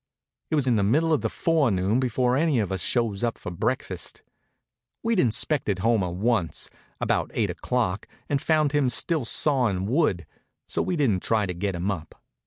It was in the middle of the forenoon before any of us shows up for breakfast. We'd inspected Homer once, about eight o'clock, and found him still sawin' wood, so we didn't try to get him up.